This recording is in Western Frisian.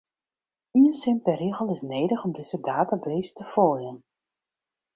Ien sin per rigel is nedich om dizze database te foljen.